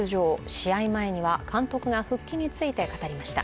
試合前には監督が復帰について語りました。